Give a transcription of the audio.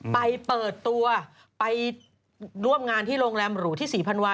เปิดตัวไปร่วมงานที่โรงแรมหรูที่ศรีพันวา